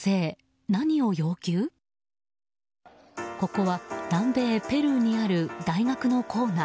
ここは、南米ペルーにある大学の構内。